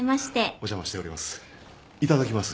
お邪魔しております。